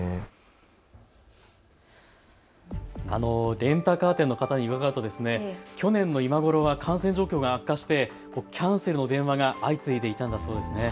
レンタカー店の方に伺うと去年の今頃は感染状況が悪化してキャンセルの電話が相次いでいたんだそうです。